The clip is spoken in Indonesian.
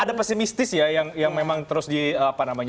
ada pesimistis ya yang memang terus disampaikan